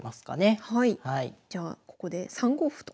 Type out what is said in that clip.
じゃあここで３五歩と。